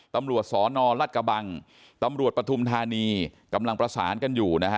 ตำรวจสนรัฐกระบังตำรวจปฐุมธานีกำลังประสานกันอยู่นะฮะ